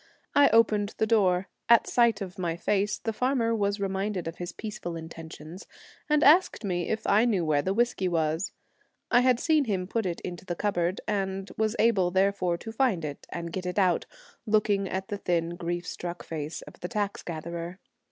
I opened the door ; at sight of my face the farmer was reminded of his peaceful intentions, and asked me if I knew where the whiskey was. I had 52 seen him put it into the cupboard, and A Knight was able therefore to find it and get it Sheep. out, looking at the thin, grief struck face of the tax gatherer.